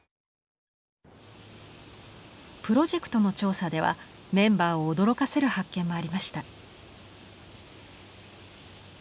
プロジェクトの調査ではメンバーを驚かせる発見もありました。